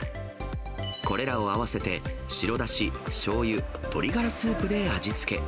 これらを合わせて、白だし、しょうゆ、鶏がらスープで味付け。